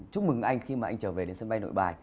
chúc mừng anh khi mà anh trở về đến sân bay nội bài